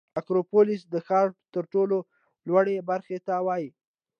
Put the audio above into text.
اکروپولیس د ښار تر ټولو لوړې برخې ته وایي.